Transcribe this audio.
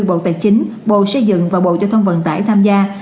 bộ tài chính bộ xây dựng và bộ giao thông vận tải tham gia